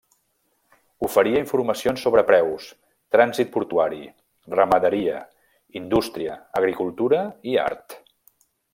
Oferia informacions sobre preus, trànsit portuari, ramaderia, indústria, agricultura i art.